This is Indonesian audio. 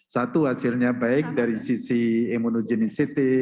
satu hasilnya baik dari sisi immunogenicity